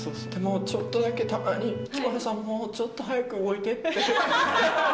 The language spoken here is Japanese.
ちょっとだけたまに、清原さん、もうちょっと速く動いてって。